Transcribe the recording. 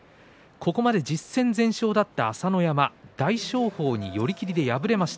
ここまで１０戦全勝だった朝乃山大翔鵬に寄り切りで敗れました。